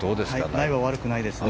ライは悪くないです。